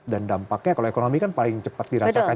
dan dampaknya kalau ekonomi kan paling cepat dirasakan juga kan